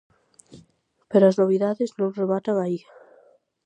Pero as novidades non rematan aí.